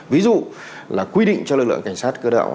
ví dụ là quy định cho lực lượng cảnh sát cơ động